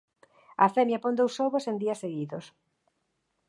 A femia pon dous ovos en días seguidos.